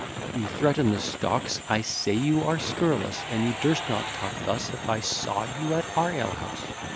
You threaten the stocks; I say you are scurrilous And you durst not talk thus, if I saw you at our ale house.